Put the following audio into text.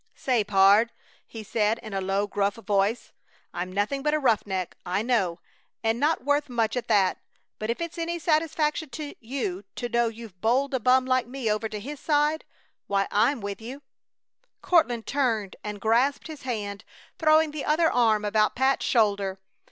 "Say, pard," he said, in a low, gruff voice. "I'm nothing but a roughneck, I know, and not worth much at that, but if it's any satisfaction to you to know you've bowled a bum like me over to His side, why I'm with you!" Courtland turned and grasped his hand, throwing the other arm about Pat's shoulder.